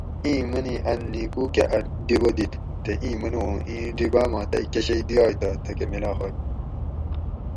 اِیں منی ان نیکو کہ اۤ ڈیبہ دیت تے اِیں منو اُوں ایں ڈیباۤ ما تئ کہۤ شئ دیائ تہ تھکہ میلا ہوئے